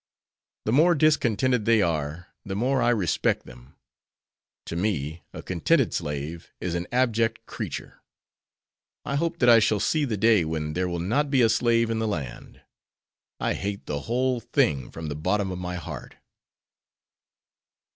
The more discontented they are, the more I respect them. To me a contented slave is an abject creature. I hope that I shall see the day when there will not be a slave in the land. I hate the whole thing from the bottom of my heart."